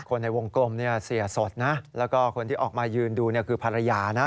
คนในวงกลมเสียสดแล้วก็คนที่ออกมายืนดูคือภรรยา